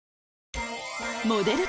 モデル